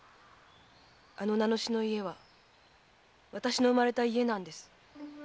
あの名主の家は私の生まれた家なんです。